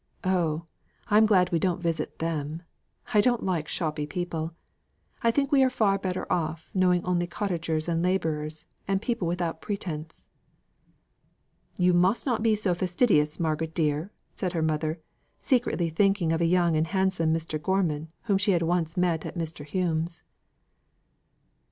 Oh! I'm glad we don't visit them. I don't like shoppy people. I think we are far better off, knowing only cottagers and labourers, and people without pretence." "You must not be so fastidious, Margaret, dear!" said her mother, secretly thinking of a young and handsome Mr. Gormon whom she had once met at Mr. Hume's.